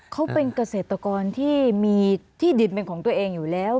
เขาเป็นเกษตรกรที่มีที่ดินเป็นของตัวเองอยู่แล้ว